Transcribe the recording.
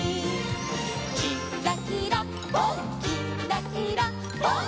「きんらきらぽんきんらきらぽん」